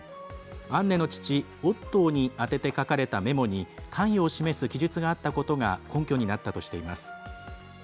アンネの父・オットーに宛てて書かれたメモに関与を示す記述があったことが根拠になったとしています。